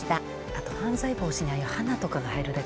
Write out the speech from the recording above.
あと犯罪防止にああいう花とかが入るだけでね。